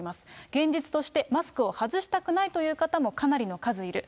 現実としてマスクを外したくないという方もかなりの数いる。